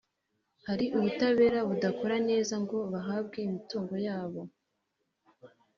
hari ubutabera budakora neza ngo bahabwe imitungo yabo